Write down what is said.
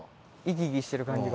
生き生きしてる感じが。